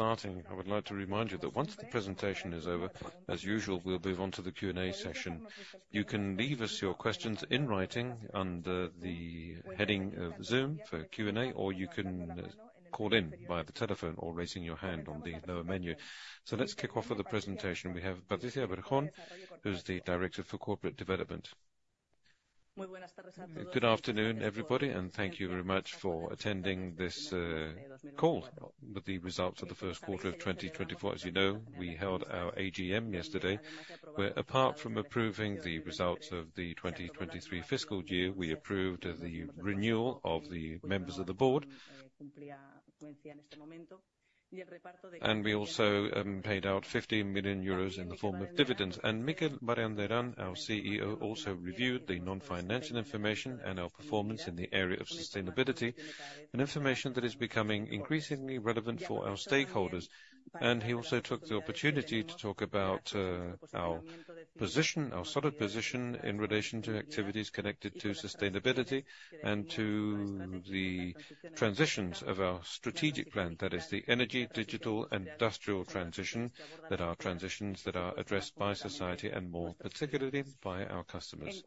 Starting, I would like to remind you that once the presentation is over, as usual, we'll move on to the Q&A session. You can leave us your questions in writing under the heading of Zoom for Q&A, or you can call in via the telephone or raising your hand on the lower menu. Let's kick off with the presentation. We have Patricia Berjón, who's the Director for Corporate Development. Good afternoon, everybody, and thank you very much for attending this call. With the results of the first quarter of 2024, as you know, we held our AGM yesterday, where apart from approving the results of the 2023 fiscal year, we approved the renewal of the members of the board. We also paid out 50 million euros in the form of dividends. Mikel Barandiaran, our CEO, also reviewed the non-financial information and our performance in the area of sustainability, and information that is becoming increasingly relevant for our stakeholders. He also took the opportunity to talk about our position, our solid position, in relation to activities connected to sustainability and to the transitions of our strategic plan. That is the energy, digital, industrial transition, that are transitions that are addressed by society and more particularly by our customers.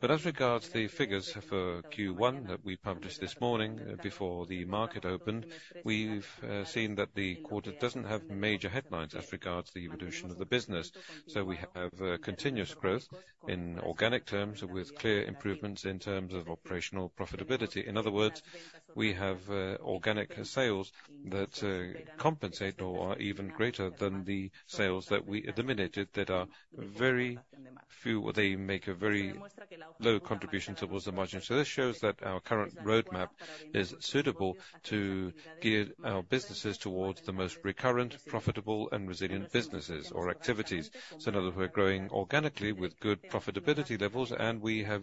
But as regards the figures for Q1 that we published this morning before the market opened, we've seen that the quarter doesn't have major headlines as regards the evolution of the business. So we have continuous growth in organic terms, with clear improvements in terms of operational profitability. In other words, we have organic sales that compensate or are even greater than the sales that we eliminated, that are very few, they make a very low contribution towards the margin. So this shows that our current roadmap is suitable to gear our businesses towards the most recurrent, profitable and resilient businesses or activities, so that we're growing organically with good profitability levels, and we have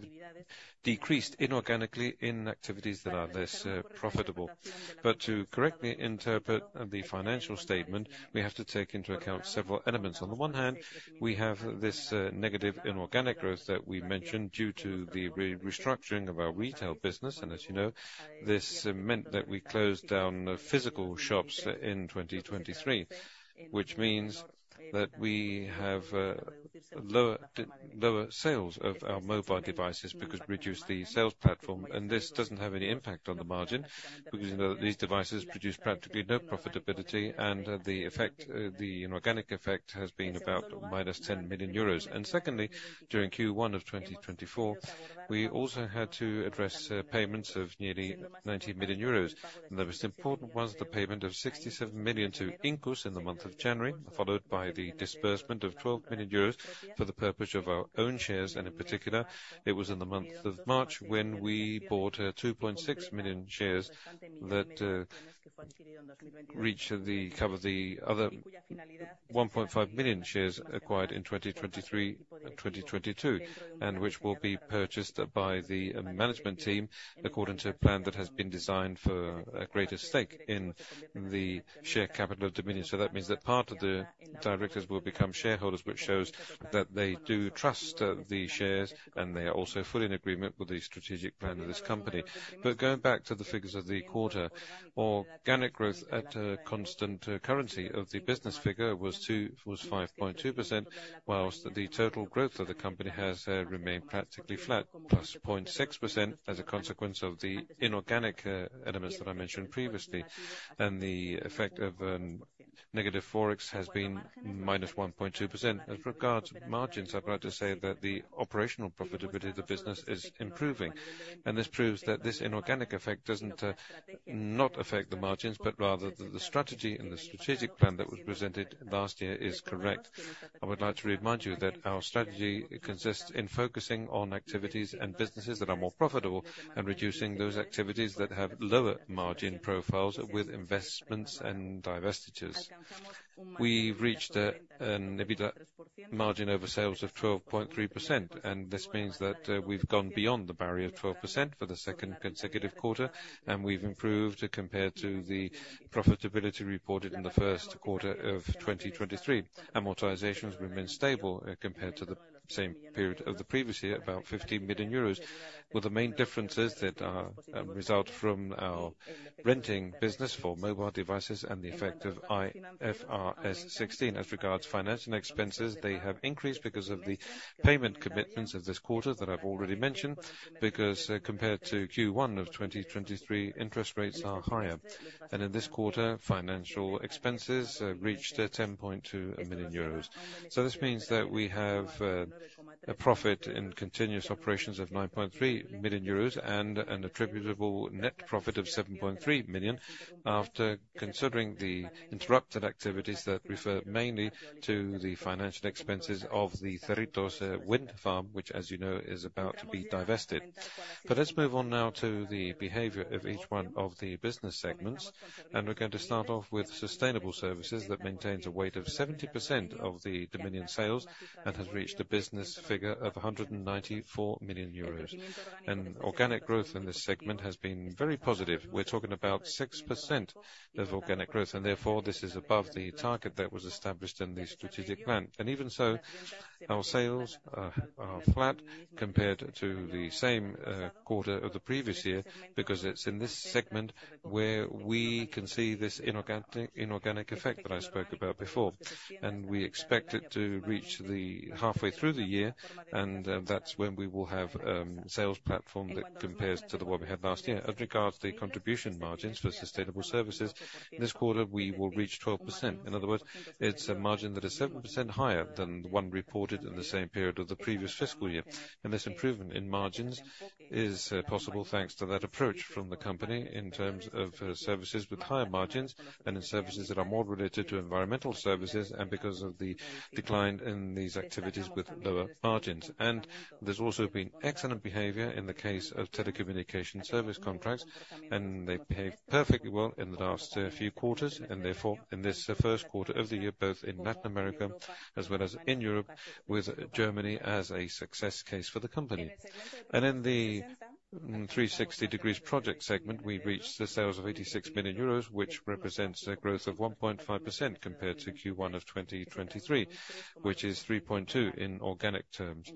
decreased inorganically in activities that are less profitable. But to correctly interpret the financial statement, we have to take into account several elements. On the one hand, we have this negative inorganic growth that we mentioned due to the restructuring of our retail business. And as you know, this meant that we closed down the physical shops in 2023, which means that we have lower sales of our mobile devices because we reduced the sales platform, and this doesn't have any impact on the margin, because, you know, these devices produce practically no profitability, and the effect, the inorganic effect, has been about 10 million euros. And secondly, during Q1 of 2024, we also had to address payments of nearly 90 million euros. The most important was the payment of 67 million to Incus in the month of January, followed by the disbursement of 12 million euros for the purpose of our own shares. In particular, it was in the month of March when we bought 2.6 million shares that reached the cover the other 1.5 million shares acquired in 2023 and 2022, and which will be purchased by the management team according to a plan that has been designed for a greater stake in the share capital of Dominion. So that means that part of the directors will become shareholders, which shows that they do trust the shares, and they are also fully in agreement with the strategic plan of this company. But going back to the figures of the quarter, organic growth at constant currency of the business figure was 5.2%, while the total growth of the company has remained practically flat, +0.6% as a consequence of the inorganic elements that I mentioned previously, and the effect of negative Forex has been -1.2%. As regards margins, I'd like to say that the operational profitability of the business is improving, and this proves that this inorganic effect doesn't not affect the margins, but rather that the strategy and the strategic plan that was presented last year is correct. I would like to remind you that our strategy consists in focusing on activities and businesses that are more profitable and reducing those activities that have lower margin profiles with investments and divestitures. We've reached an EBITDA margin over sales of 12.3%, and this means that we've gone beyond the barrier of 12% for the second consecutive quarter, and we've improved compared to the profitability reported in the first quarter of 2023. Amortizations remain stable compared to the same period of the previous year, about 15 million euros, with the main differences that result from our renting business for mobile devices and the effect of IFRS 16. As regards financial expenses, they have increased because of the payment commitments of this quarter that I've already mentioned, because compared to Q1 of 2023, interest rates are higher. In this quarter, financial expenses reached 10.2 million euros. So this means that we have a profit in continuous operations of 9.3 million euros and an attributable net profit of 7.3 million, after considering the interrupted activities that refer mainly to the financial expenses of the Cerritos wind farm, which, as you know, is about to be divested. But let's move on now to the behavior of each one of the business segments, and we're going to start off with sustainable services that maintains a weight of 70% of the Dominion sales and has reached a business figure of 194 million euros. And organic growth in this segment has been very positive. We're talking about 6% of organic growth, and therefore, this is above the target that was established in the strategic plan. Even so, our sales are, are flat compared to the same quarter of the previous year, because it's in this segment where we can see this inorganic effect that I spoke about before. We expect it to reach the halfway through the year, and that's when we will have sales platform that compares to the one we had last year. As regards to the contribution margins for sustainable services, this quarter, we will reach 12%. In other words, it's a margin that is 7% higher than the one reported in the same period of the previous fiscal year. This improvement in margins is possible thanks to that approach from the company in terms of services with higher margins and in services that are more related to environmental services, and because of the decline in these activities with lower margins. There's also been excellent behavior in the case of telecommunication service contracts, and they've behaved perfectly well in the last few quarters, and therefore, in this first quarter of the year, both in Latin America as well as in Europe, with Germany as a success case for the company. In the 360 degrees project segment, we've reached the sales of 86 million euros, which represents a growth of 1.5% compared to Q1 of 2023, which is 3.2 in organic terms.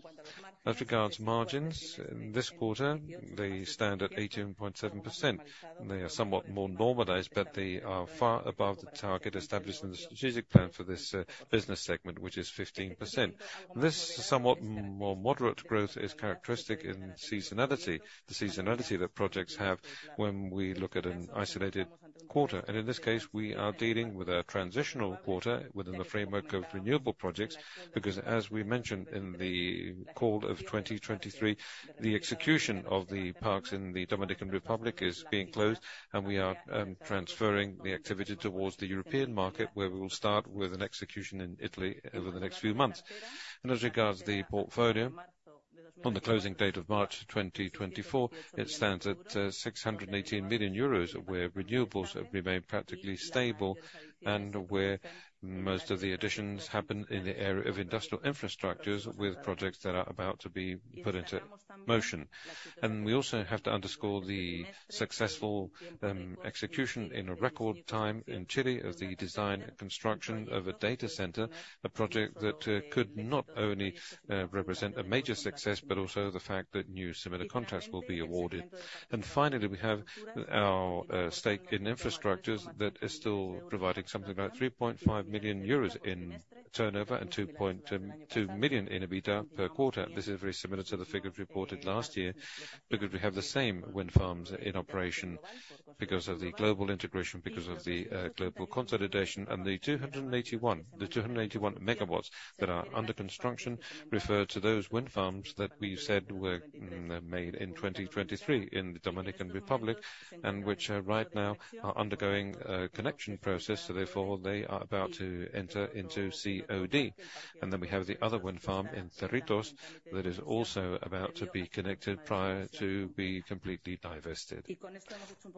As regards margins, this quarter, they stand at 18.7%, and they are somewhat more normalized, but they are far above the target established in the strategic plan for this business segment, which is 15%. This somewhat more moderate growth is characteristic in seasonality, the seasonality that projects have when we look at an isolated quarter. In this case, we are dealing with a transitional quarter within the framework of renewable projects, because as we mentioned in the call of 2023, the execution of the parks in the Dominican Republic is being closed, and we are transferring the activity towards the European market, where we will start with an execution in Italy over the next few months. As regards the portfolio, on the closing date of March 2024, it stands at 618 million euros, where renewables have remained practically stable and where most of the additions happen in the area of industrial infrastructures, with projects that are about to be put into motion. We also have to underscore the successful execution in a record time in Chile as the design and construction of a data center, a project that could not only represent a major success, but also the fact that new similar contracts will be awarded. And finally, we have our stake in infrastructures that is still providing something about 3.5 million euros in turnover and 2.2 million in EBITDA per quarter. This is very similar to the figures reported last year, because we have the same wind farms in operation because of the global integration, because of the global consolidation. And the 281, the 281 MW that are under construction refer to those wind farms that we said were made in 2023 in the Dominican Republic and which are right now undergoing a connection process, so therefore they are about to enter into COD. And then we have the other wind farm in Cerritos that is also about to be connected prior to be completely divested.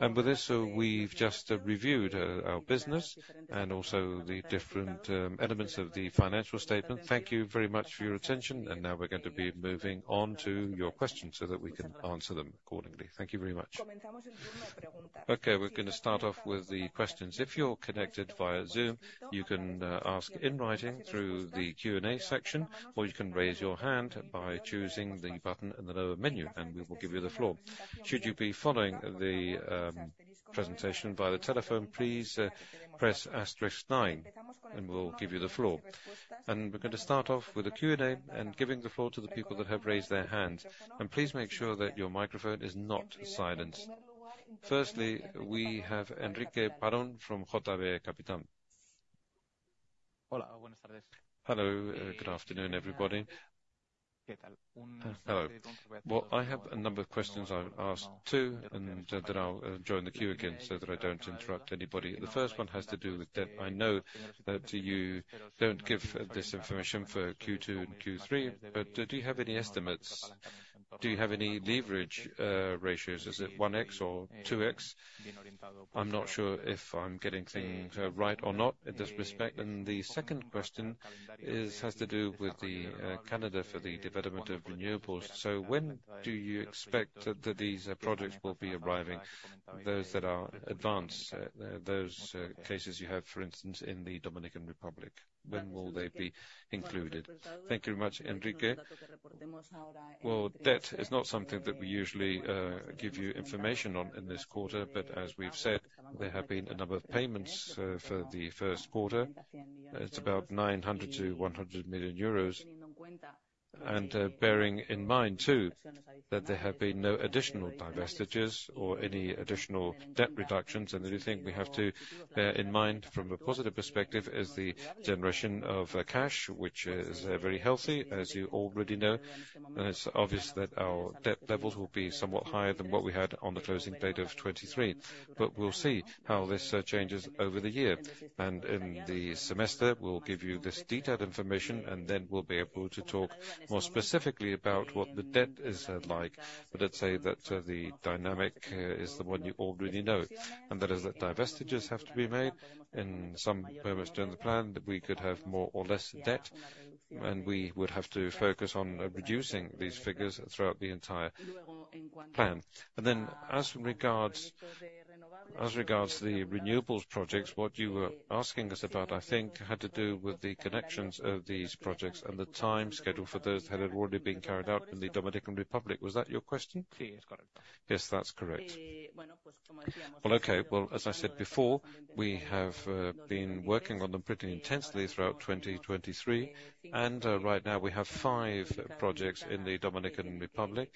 And with this, so we've just reviewed our business and also the different elements of the financial statement. Thank you very much for your attention, and now we're going to be moving on to your questions so that we can answer them accordingly. Thank you very much. Okay, we're going to start off with the questions. If you're connected via Zoom, you can ask in writing through the Q&A section, or you can raise your hand by choosing the button in the lower menu, and we will give you the floor. Should you be following the presentation via telephone, please press asterisk nine, and we'll give you the floor. And we're going to start off with the Q&A and giving the floor to the people that have raised their hands. And please make sure that your microphone is not silenced. Firstly, we have Enrique Parrondo from JB Capital. Hello, good afternoon, everybody. Hello. Well, I have a number of questions I'll ask, too, and then, then I'll join the queue again so that I don't interrupt anybody. The first one has to do with debt. I know that you don't give this information for Q2 and Q3, but, do you have any estimates? Do you have any leverage ratios? Is it 1x or 2x? I'm not sure if I'm getting things right or not in this respect. And the second question is, has to do with the calendar for the development of renewables. So when do you expect that these projects will be arriving, those that are advanced, those cases you have, for instance, in the Dominican Republic? When will they be included? Thank you very much, Enrique. Well, debt is not something that we usually give you information on in this quarter, but as we've said, there have been a number of payments for the first quarter. It's about 90 million to 100 million euros. Bearing in mind, too, that there have been no additional divestitures or any additional debt reductions. Another thing we have to bear in mind from a positive perspective is the generation of cash, which is very healthy, as you already know. It's obvious that our debt levels will be somewhat higher than what we had on the closing date of 2023. We'll see how this changes over the year. In the semester, we'll give you this detailed information, and then we'll be able to talk more specifically about what the debt is like. But let's say that the dynamic is the one you already know, and that is that divestitures have to be made in some moments during the plan, that we could have more or less debt, and we would have to focus on reducing these figures throughout the entire plan. And then, as regards, as regards the renewables projects, what you were asking us about, I think had to do with the connections of these projects and the time schedule for those that had already been carried out in the Dominican Republic. Was that your question? Yes, that's correct. Well, okay. Well, as I said before, we have been working on them pretty intensely throughout 2023, and right now we have five projects in the Dominican Republic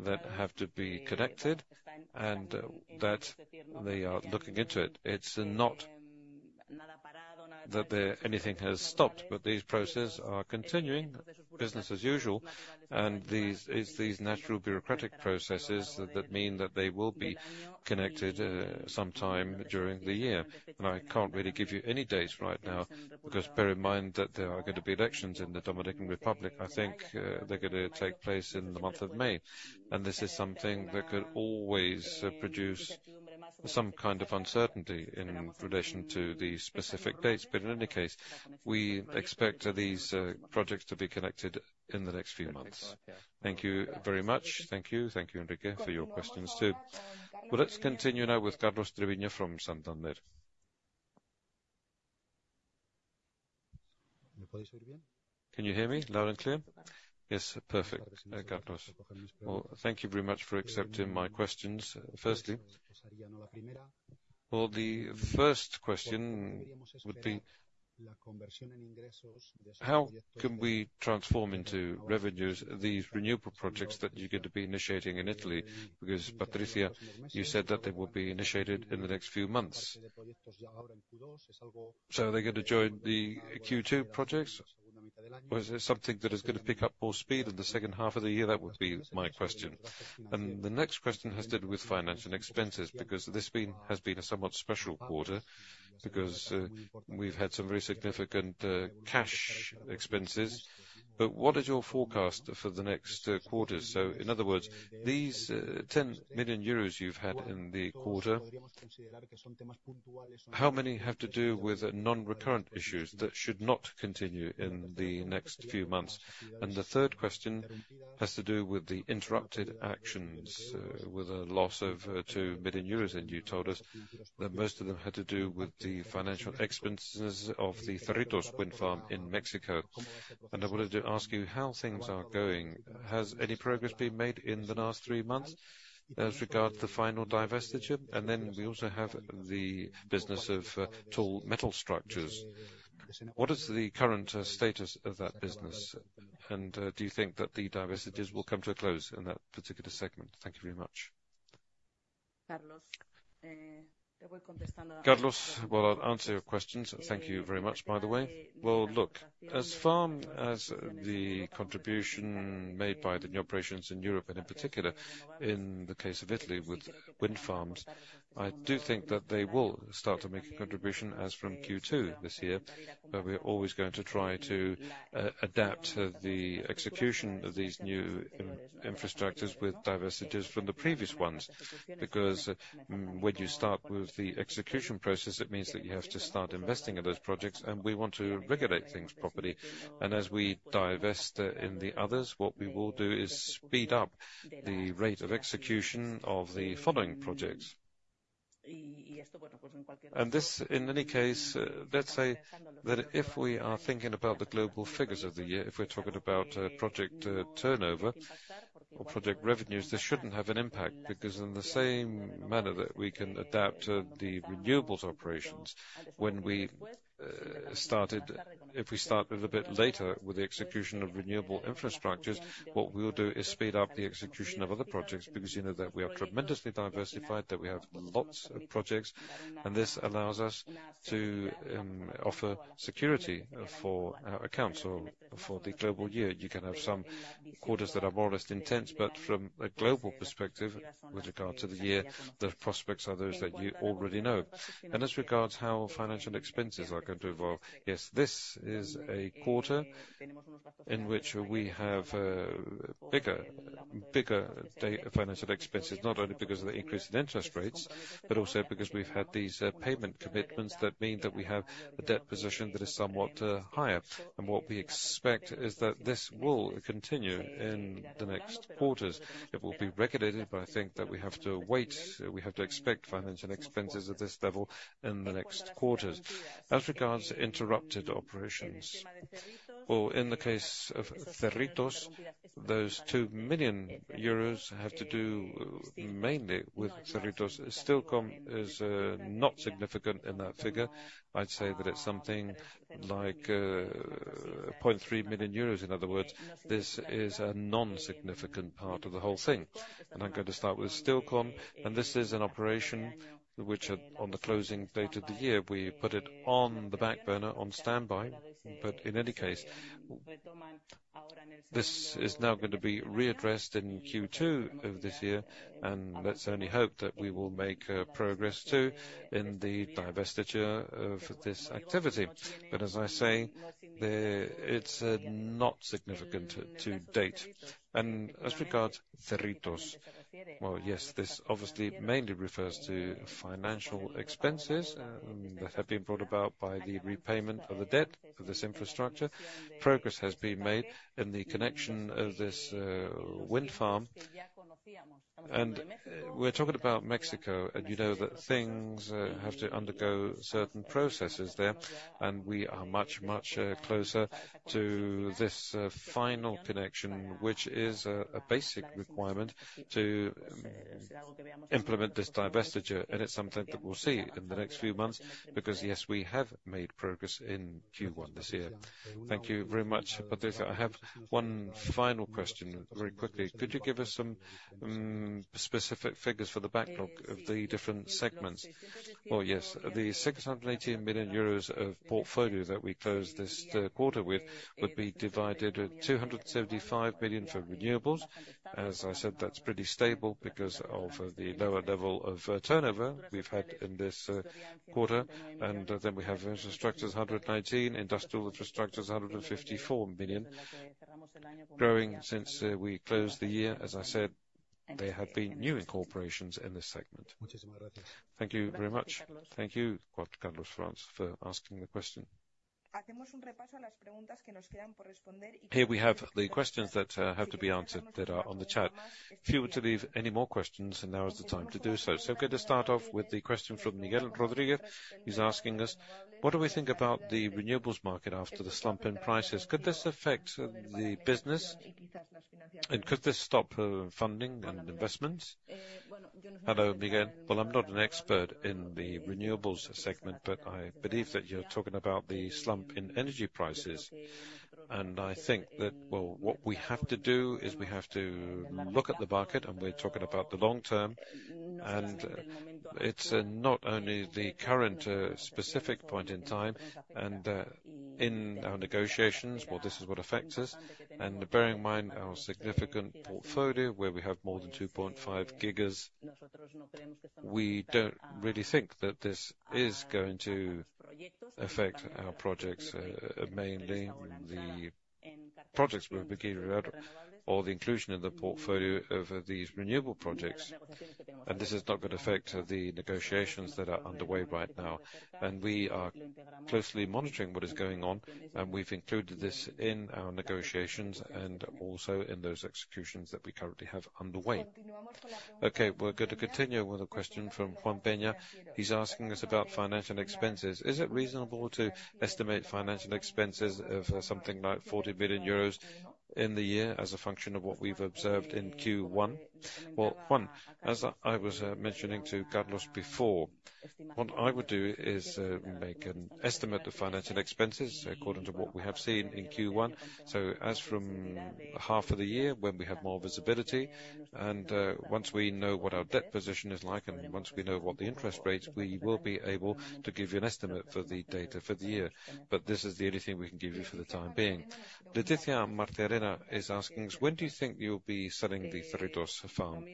that have to be connected and that they are looking into it. It's not that the, anything has stopped, but these processes are continuing, business as usual, and these, it's these natural bureaucratic processes that mean that they will be connected sometime during the year. And I can't really give you any dates right now, because bear in mind that there are going to be elections in the Dominican Republic. I think, they're going to take place in the month of May, and this is something that could always produce some kind of uncertainty in relation to the specific dates. But in any case, we expect these projects to be connected in the next few months. Thank you very much. Thank you. Thank you, Enrique, for your questions, too. Well, let's continue now with Carlos Treviño from Santander. Can you hear me loud and clear? Yes, perfect, Carlos. Well, thank you very much for accepting my questions. Firstly, well, the first question would be: how can we transform into revenues these renewable projects that you're going to be initiating in Italy? Because, Patricia, you said that they will be initiated in the next few months. So are they going to join the Q2 projects, or is it something that is going to pick up more speed in the second half of the year? That would be my question. And the next question has to do with financial expenses, because this has been a somewhat special quarter, because we've had some very significant cash expenses. But what is your forecast for the next quarter? So in other words, these 10 million euros you've had in the quarter, how many have to do with non-recurrent issues that should not continue in the next few months? And the third question has to do with the interrupted actions, with a loss of 2 million euros, and you told us that most of them had to do with the financial expenses of the Cerritos wind farm in Mexico. And I wanted to ask you how things are going. Has any progress been made in the last three months as regard to the final divestiture? And then we also have the business of tall metal structures. What is the current status of that business? And do you think that the divestitures will come to a close in that particular segment? Thank you very much. Carlos, well, I'll answer your questions. Thank you very much, by the way. Well, look, as far as the contribution made by the new operations in Europe, and in particular in the case of Italy with wind farms, I do think that they will start to make a contribution as from Q2 this year. But we are always going to try to adapt the execution of these new infrastructures with divestitures from the previous ones. Because when you start with the execution process, it means that you have to start investing in those projects, and we want to regulate things properly. And as we divest in the others, what we will do is speed up the rate of execution of the following projects. And this, in any case, let's say that if we are thinking about the global figures of the year, if we're talking about project turnover or project revenues, this shouldn't have an impact, because in the same manner that we can adapt to the renewables operations when we started. If we start a little bit later with the execution of renewable infrastructures, what we'll do is speed up the execution of other projects, because you know that we are tremendously diversified, that we have lots of projects, and this allows us to offer security for our accounts or for the global year. You can have some quarters that are more or less intense, but from a global perspective, with regard to the year, the prospects are those that you already know. As regards how financial expenses are going to evolve, yes, this is a quarter in which we have bigger financial expenses, not only because of the increase in interest rates, but also because we've had these payment commitments that mean that we have a debt position that is somewhat higher. What we expect is that this will continue in the next quarters. It will be regulated, but I think that we have to wait. We have to expect financial expenses at this level in the next quarters. As regards interrupted operations, or in the case of Cerritos, those 2 million euros have to do mainly with Cerritos. Steelcon is not significant in that figure. I'd say that it's something like 0.3 million euros. In other words, this is a non-significant part of the whole thing. I'm going to start with Steelcon, and this is an operation which are on the closing date of the year, we put it on the back burner, on standby, but in any case, this is now going to be readdressed in Q2 of this year, and let's only hope that we will make progress, too, in the divestiture of this activity. But as I say, it's not significant to date. And as regards Cerritos, well, yes, this obviously mainly refers to financial expenses that have been brought about by the repayment of the debt for this infrastructure. Progress has been made in the connection of this wind farm. We're talking about Mexico, and you know that things have to undergo certain processes there, and we are much, much closer to this final connection, which is a basic requirement to implement this divestiture, and it's something that we'll see in the next few months, because, yes, we have made progress in Q1 this year. Thank you very much, Patricia. I have one final question, very quickly. Could you give us some specific figures for the backlog of the different segments? Well, yes. The 618 million euros of portfolio that we closed this quarter with would be divided, 275 million for renewables. As I said, that's pretty stable because of the lower level of turnover we've had in this quarter. And then we have infrastructures, 119 million, industrial infrastructures, 154 million, growing since we closed the year. As I said, there have been new incorporations in this segment. Thank you very much. Thank you. Thank you, Carlos Treviño, for asking the question. Here we have the questions that have to be answered that are on the chat. If you were to leave any more questions, and now is the time to do so. So going to start off with the question from Miguel Rodríguez. He's asking us: What do we think about the renewables market after the slump in prices? Could this affect the business, and could this stop funding and investments? Hello, Miguel. Well, I'm not an expert in the renewables segment, but I believe that you're talking about the slump in energy prices. And I think that, well, what we have to do, is we have to look at the market, and we're talking about the long term, and it's not only the current specific point in time, and in our negotiations, well, this is what affects us. Bearing in mind our significant portfolio, where we have more than 2.5 gigas, we don't really think that this is going to affect our projects, mainly in the projects we're beginning out or the inclusion in the portfolio of these renewable projects. And this is not going to affect the negotiations that are underway right now. And we are closely monitoring what is going on, and we've included this in our negotiations and also in those executions that we currently have underway. Okay, we're going to continue with a question from Juan Peña. He's asking us about financial expenses. Is it reasonable to estimate financial expenses of something like 40 million euros in the year as a function of what we've observed in Q1? Well, Juan, as I was mentioning to Carlos before, what I would do is make an estimate of financial expenses according to what we have seen in Q1. So as from half of the year, when we have more visibility and once we know what our debt position is like, and once we know what the interest rates, we will be able to give you an estimate for the data for the year. But this is the only thing we can give you for the time being. Leticia Martarena is asking us: When do you think you'll be selling the Cerritos farm?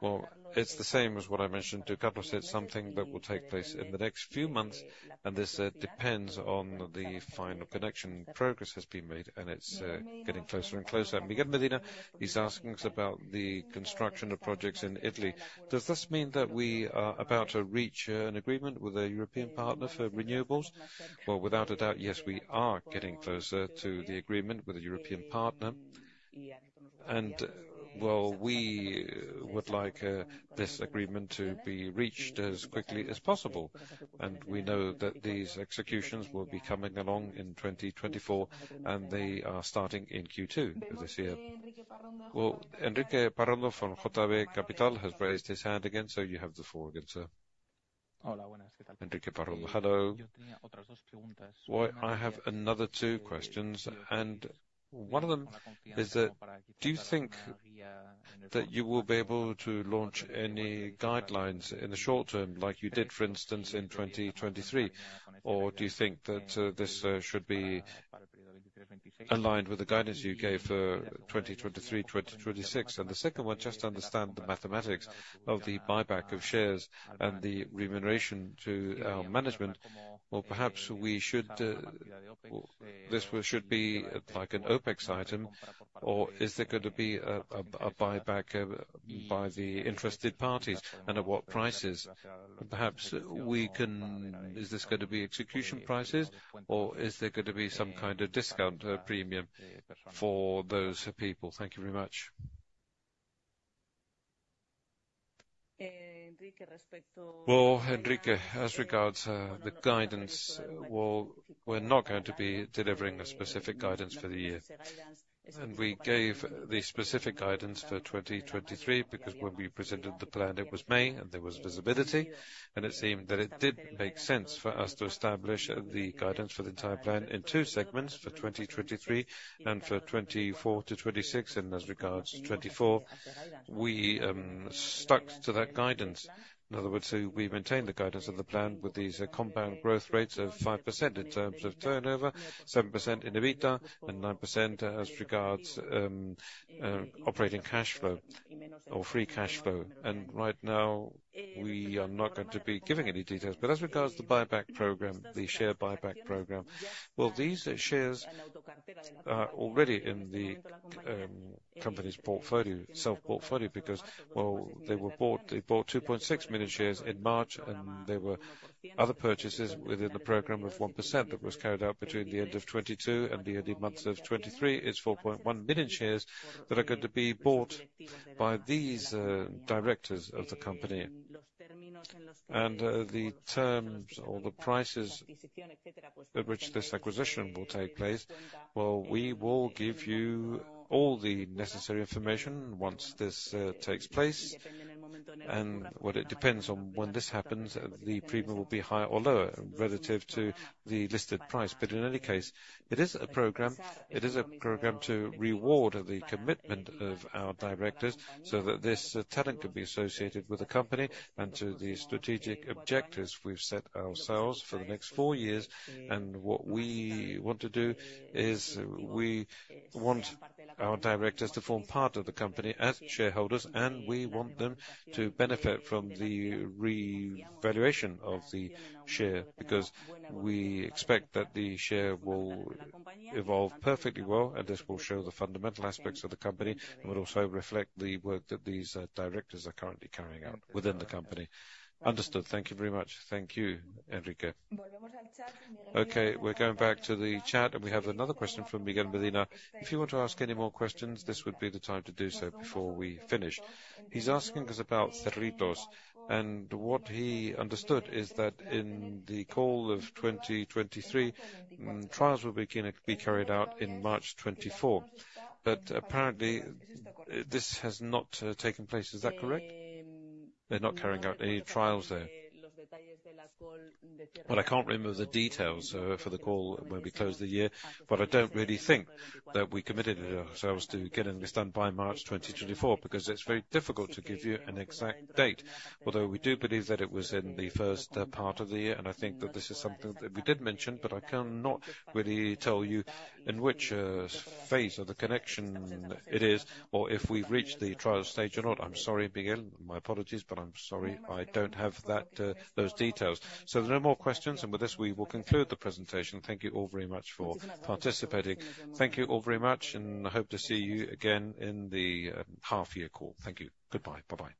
Well, it's the same as what I mentioned to Carlos. It's something that will take place in the next few months, and this depends on the final connection. Progress has been made, and it's getting closer and closer. Miguel Medina is asking us about the construction of projects in Italy. Does this mean that we are about to reach an agreement with a European partner for renewables? Well, without a doubt, yes, we are getting closer to the agreement with a European partner... Well, we would like this agreement to be reached as quickly as possible, and we know that these executions will be coming along in 2024, and they are starting in Q2 of this year. Well, Enrique Parrondo from JB Capital has raised his hand again, so you have the floor again, sir. Well, I have another two questions, and one of them is that, do you think that you will be able to launch any guidelines in the short term, like you did, for instance, in 2023? Or do you think that this should be aligned with the guidance you gave for 2023, 2026? And the second one, just to understand the mathematics of the buyback of shares and the remuneration to management, or perhaps we should this should be like an OpEx item, or is there going to be a buyback by the interested parties, and at what prices? Perhaps we can. Is this going to be execution prices, or is there going to be some kind of discount or premium for those people? Thank you very much. Well, Enrique, as regards the guidance, well, we're not going to be delivering a specific guidance for the year. We gave the specific guidance for 2023, because when we presented the plan, it was May, and there was visibility, and it seemed that it did make sense for us to establish the guidance for the entire plan in two segments: for 2023 and for 2024 to 2026. As regards 2024, we stuck to that guidance. In other words, we maintained the guidance and the plan with these compound growth rates of 5% in terms of turnover, 7% in EBITDA, and 9% as regards operating cash flow or free cash flow. Right now, we are not going to be giving any details. But as regards to the buyback program, the share buyback program, well, these shares are already in the company's portfolio, self-portfolio, because, well, they were bought. They bought 2.6 million shares in March, and there were other purchases within the program of 1% that was carried out between the end of 2022 and the early months of 2023. It's 4.1 million shares that are going to be bought by these directors of the company. The terms or the prices at which this acquisition will take place, well, we will give you all the necessary information once this takes place. Well, it depends on when this happens, the premium will be higher or lower relative to the listed price. But in any case, it is a program, it is a program to reward the commitment of our directors so that this talent can be associated with the company and to the strategic objectives we've set ourselves for the next four years. And what we want to do is we want our directors to form part of the company as shareholders, and we want them to benefit from the revaluation of the share, because we expect that the share will evolve perfectly well, and this will show the fundamental aspects of the company, and would also reflect the work that these directors are currently carrying out within the company. Understood. Thank you very much. Thank you, Enrique. Okay, we're going back to the chat, and we have another question from Miguel Medina. If you want to ask any more questions, this would be the time to do so before we finish. He's asking us about Cerritos, and what he understood is that in the call of 2023, trials will be carried out in March 2024. But apparently, this has not taken place. Is that correct? They're not carrying out any trials there. Well, I can't remember the details for the call when we closed the year, but I don't really think that we committed ourselves to getting this done by March 2024, because it's very difficult to give you an exact date, although we do believe that it was in the first part of the year. And I think that this is something that we did mention, but I cannot really tell you in which phase of the connection it is or if we've reached the trial stage or not. I'm sorry, Miguel. My apologies, but I'm sorry, I don't have that those details. So there are no more questions, and with this, we will conclude the presentation. Thank you all very much for participating. Thank you all very much, and I hope to see you again in the half-year call. Thank you. Goodbye. Bye-bye.